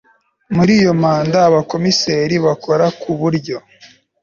muri iyo manda abakomiseri bakora ku buryo